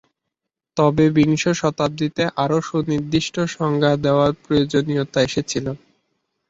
তবে বিংশ শতাব্দীতে, আরও সুনির্দিষ্ট সংজ্ঞা দেওয়ার প্রয়োজনীয়তা এসেছিল।